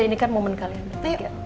ini kan momen kalian